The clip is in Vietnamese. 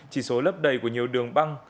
chỉ số lấp đầy của nhiều đường băng